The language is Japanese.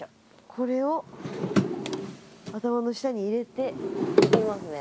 これを頭の下に入れて寝てみますね。